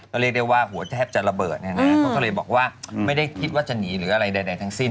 ก็เรียกได้ว่าหัวแทบจะระเบิดเนี่ยนะเขาก็เลยบอกว่าไม่ได้คิดว่าจะหนีหรืออะไรใดทั้งสิ้น